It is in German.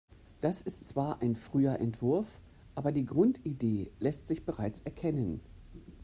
Das ist zwar ein früher Entwurf, aber die Grundidee lässt sich bereits erkennen.